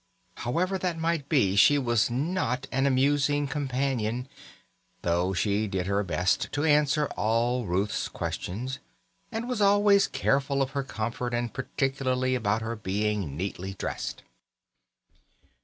However that might be, she was not an amusing companion; though she did her best to answer all Ruth's questions, and was always careful of her comfort, and particular about her being neatly dressed.